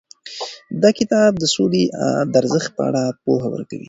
دا کتاب د سولې د ارزښت په اړه پوهه ورکوي.